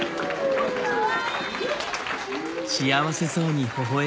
・かわいい！